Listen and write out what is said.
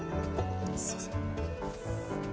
すいません。